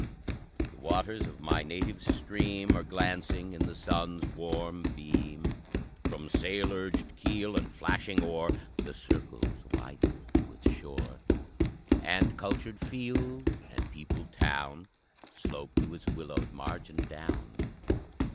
The waters of my native stream Are glancing in the sun's warm beam; From sail urged keel and flashing oar The circles widen to its shore; And cultured field and peopled town Slope to its willowed margin down.